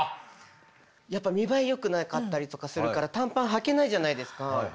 やっぱ見栄えよくなかったりとかするから短パンはけないじゃないですか。